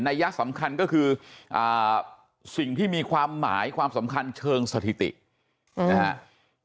ยะสำคัญก็คือสิ่งที่มีความหมายความสำคัญเชิงสถิตินะครับ